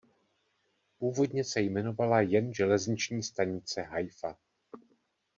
Původně se jmenovala jen železniční stanice Haifa.